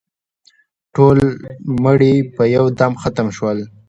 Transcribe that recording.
ټول مړي په یو دم ختم شول.